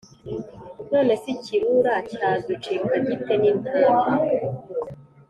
None se ikirura cyacudika gite n’intama?